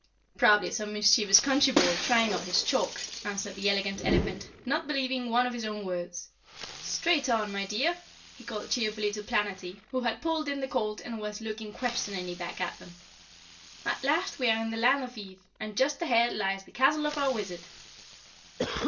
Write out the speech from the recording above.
"Probably some mischievous country boy trying out his chalk," answered the Elegant Elephant, not believing one of his own words. "Straight on, my dear," he called cheerfully to Planetty, who had pulled in the colt and was looking questioningly back at them. "At last we are in the Land of Ev, and just ahead lies the castle of our wizard."